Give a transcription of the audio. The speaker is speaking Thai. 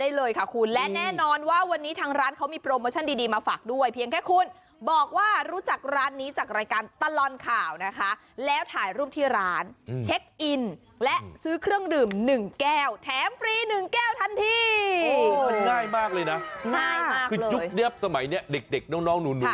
แบบคุณภาพเอามาใส่ในชาวเหมือนกันจะมีการเบิร์นส์ไฟพอดถอด